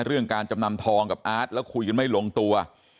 เรื่องการจำนำทองกับอาร์ตแล้วคุยกันไม่ลงตัว